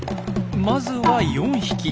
まずは４匹。